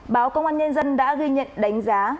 báo công an nhân dân đã ghi nhận đánh giá